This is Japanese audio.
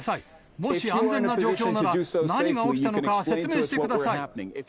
もし安全な状況なら、何が起きたのか説明してください。